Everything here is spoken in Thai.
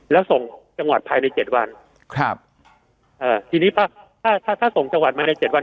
แล้วส่งจังหวัดภายในเจ็ดวันครับเอ่อทีนี้ถ้าถ้าถ้าส่งจังหวัดมาในเจ็ดวัน